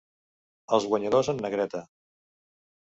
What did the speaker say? Els guanyadors en negreta.